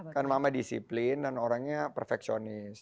karena mama disiplin dan orangnya perfeksionis